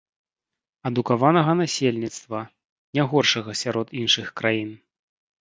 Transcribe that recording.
Адукаванага насельніцтва, не горшага сярод іншых краін.